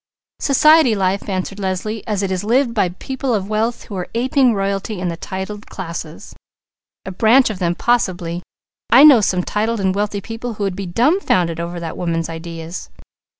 "Society life," answered Leslie, "as it is lived by people of wealth who are aping royalty and the titled classes." "A branch of them possibly," conceded Douglas. "I know some titled and wealthy people who would be dumbfounded over that woman's ideas."